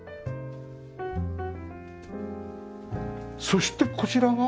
そしてこちらが？